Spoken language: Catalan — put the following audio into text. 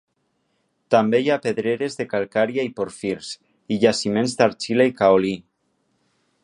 També hi ha pedreres de calcària i pòrfirs, i jaciments d'argila i caolí.